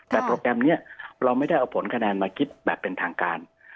แต่โปรแกรมนี้เราไม่ได้เอาผลคะแนนมาคิดแบบเป็นทางการ